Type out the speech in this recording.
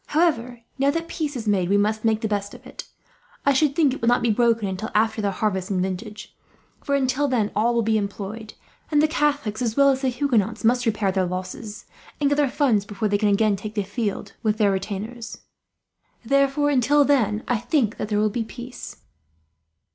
"However, now that peace is made, we must make the best of it. I should think it will not be broken until after the harvest and vintage; for until then all will be employed, and the Catholics as well as the Huguenots must repair their losses, and gather funds, before they can again take the field with their retainers. Therefore, until then I think that there will be peace."